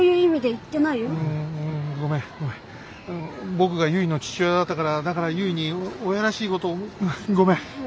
僕がゆいの父親だったからだからゆいに親らしいことをごめん。